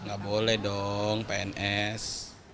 nggak boleh dong pns